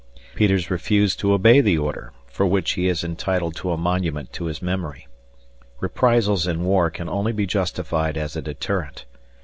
Peters refused to obey the order, for which he is entitled to a monument to his memory. Reprisals in war can only be justified as a deterrent.